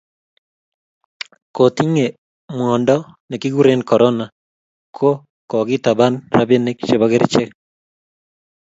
Kotinge mwiondo nekikuren conora ko kokitaban rapini chepo kerichek